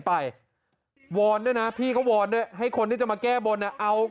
ไปวอนด้วยนะพี่ก็วอนด้วยให้คนที่จะมาแก้บนอ่ะเอา